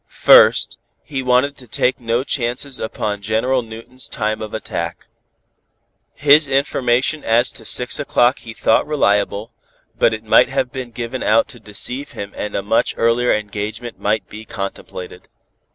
First, he wanted to take no chances upon General Newton's time of attack. His information as to six o'clock he thought reliable, but it might have been given out to deceive him and a much earlier engagement might be contemplated.